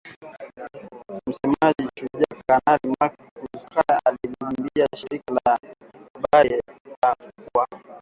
Msemaji wa Shujaa Kanali Mak Hazukay aliliambia shirika la habari la kuwa